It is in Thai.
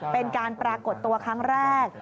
เป็นการปรากฏตัวครั้งแรก